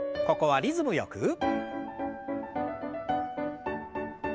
ここはリズムよく。